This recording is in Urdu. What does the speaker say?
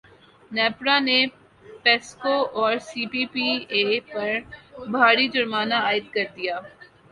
نیپرا نے پیسکو اور سی پی پی اے پر بھاری جرمانے عائد کردیے